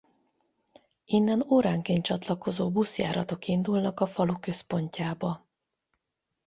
Innen óránként csatlakozó buszjáratok indulnak a falu központjába.